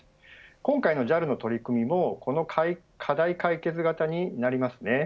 今回のＪＡＬの取り組みもこの課題解決型になりますね。